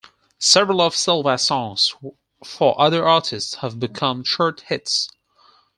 Several of Silvas' songs for other artists have become chart hits.